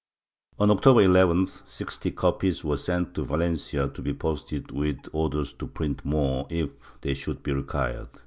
On October lltli, sixty copies were sent to Valencia to be posted, with orders to print more if they should be required.